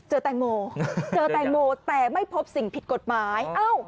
แตงโมเจอแตงโมแต่ไม่พบสิ่งผิดกฎหมาย